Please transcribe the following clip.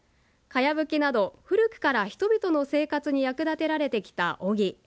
かやぶきなど古くから人々の生活に役立てられてきたオギ。